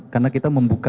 karena kita membuka